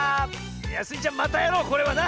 いやスイちゃんまたやろうこれはな！